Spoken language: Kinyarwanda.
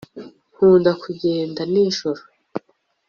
nkunda kugenda nijoro